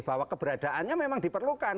bahwa keberadaannya memang diperlukan